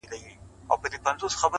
ستا سترگو كي بيا مرۍ.! مرۍ اوښـكي.!